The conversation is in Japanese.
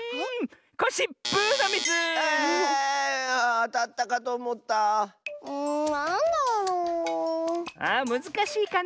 あむずかしいかね。